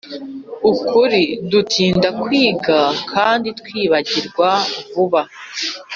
ukuri dutinda kwiga kandi twibagirwa vuba